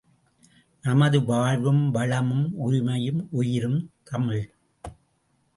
நமது வாழ்வும் வளமும் உரிமையும் உயிரும் தமிழ்.